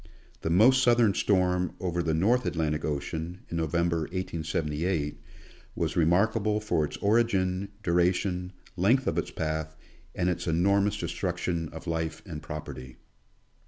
The most southern storm over the North Atlantic ocean, in November, 1878, was remarka ble for its origin, duration, length of its path, and its enormous destruction of life and property.